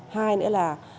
hai nữa là